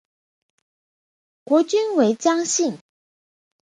国君为姜姓。